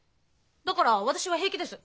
だから私は平気です。